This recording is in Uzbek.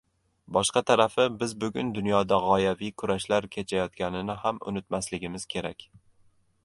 Boshqa tarafi, biz bugun dunyoda g‘oyaviy kurashlar kechayotganini ham unutmasligimiz kerak.